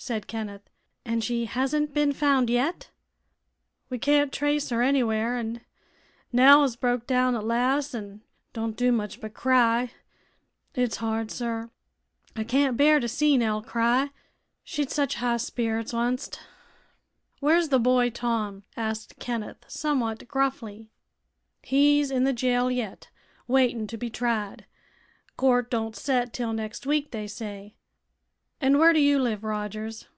said Kenneth. "And she hasn't been found yet?" "We can't trace her anywhere, an' Nell has broke down at las', an' don't do much but cry. It's hard, sir I can't bear to see Nell cry. She'd sich high sperrits, onct." "Where's the boy Tom?" asked Kenneth, somewhat gruffly. "He's in the jail yet, waitin' to be tried. Court don't set till next week, they say." "And where do you live, Rogers?"